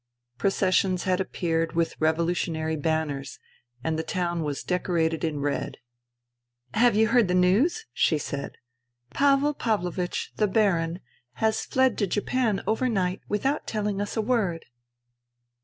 Processions had appeared with revolutionary banners, and the town was decorated in red. " Have you heard the news ?" she said. " Pavel Pavlovich, the Baron, has fled to Japan overnight, without telling us a word."